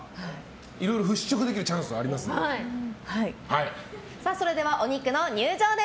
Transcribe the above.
いろいろ払拭できるチャンスはありますので。